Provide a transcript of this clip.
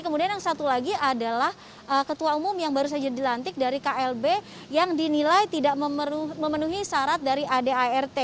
kemudian yang satu lagi adalah ketua umum yang baru saja dilantik dari klb yang dinilai tidak memenuhi syarat dari adart